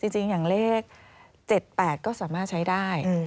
จริงอย่างเลข๗๘ก็สามารถใช้ได้